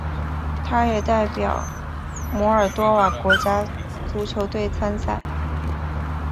他也代表摩尔多瓦国家足球队参赛。